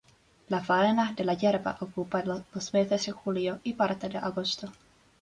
La faena de la "yerba" ocupa los meses de Julio y parte de Agosto.